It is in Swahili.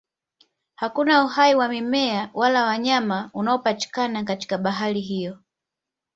Hakuna uhai wa mimea wala wanyama unaopatikana katika bahari hiyo.